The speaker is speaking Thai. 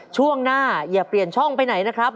ช่วงหน้าอย่าเปลี่ยนช่องไปไหนนะครับ